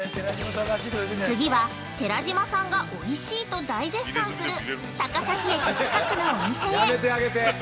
◆次は、寺島さんがおいしいと大絶賛する、高崎駅近くのお店へ。